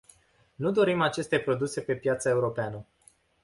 Nu dorim aceste produse pe piața europeană.